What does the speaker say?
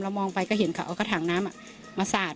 มองไปก็เห็นเขาเอากระถางน้ำมาสาด